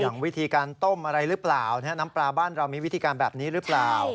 วิธีการต้มอะไรหรือเปล่าน้ำปลาบ้านเรามีวิธีการแบบนี้หรือเปล่า